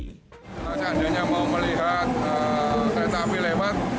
setelah seandainya mau melihat kereta api lewat